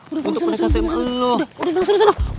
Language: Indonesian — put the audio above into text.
untuk penikatan yang lu